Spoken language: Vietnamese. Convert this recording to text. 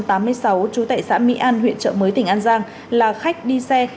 trú tại xã mỹ an huyện trợ mới tỉnh an giang là khách đi xe